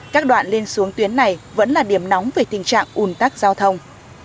các đoạn lên xuống tuyến này vẫn là điểm nóng về tình trạng ủn tắc giao thông